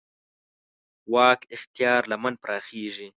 واک اختیار لمن پراخېږي.